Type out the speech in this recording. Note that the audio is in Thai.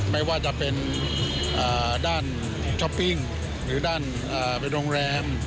ไม่ว่าจะเป็นด้านช้อปปิ้งหรือด้านเป็นโรงแรม